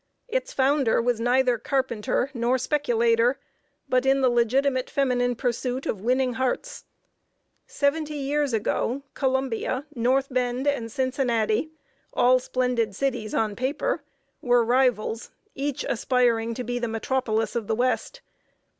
Its founder was neither carpenter nor speculator, but in the legitimate feminine pursuit of winning hearts. Seventy years ago, Columbia, North Bend, and Cincinnati all splendid cities on paper were rivals, each aspiring to be the metropolis of the West.